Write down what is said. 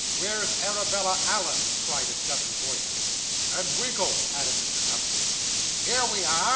'Where's Arabella Allen?' cried a dozen voices. 'And Winkle?' added Mr. Tupman. 'Here we are!